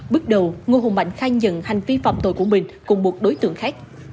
bước đầu ngô hùng mạnh khai nhận hành vi phạm tội của mình cùng một đối tượng khác